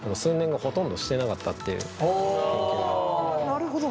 なるほど。